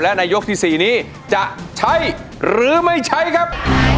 และในยกที่๔นี้จะใช้หรือไม่ใช้ครับ